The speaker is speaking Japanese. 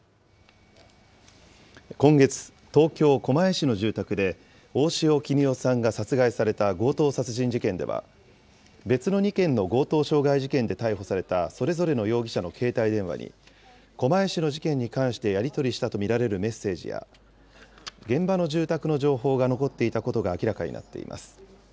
今月、東京・狛江市の住宅で、大塩衣與さんが殺害された強盗殺人事件では、別の２件の強盗傷害事件で逮捕されたそれぞれの容疑者の携帯電話に、狛江市の事件に関してやり取りしたと見られるメッセージや、現場の住宅の情報が残っていたことが明らかになっています。